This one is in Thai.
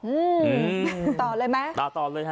อื้อต่ออะไรไหมตลอดต่อเลยค่ะ